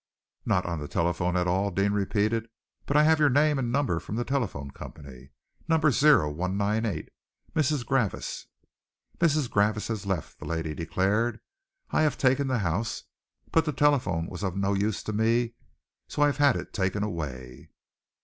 "Not on the telephone at all?" Deane repeated. "But I have your name and number from the telephone company, number 0198 Mrs. Garvice!" "Mrs. Garvice has left," the lady declared. "I have taken the house, but the telephone was of no use to me, so I have had it taken away."